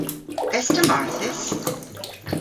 Es ta marthys?